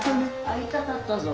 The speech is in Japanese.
会いたかったぞ。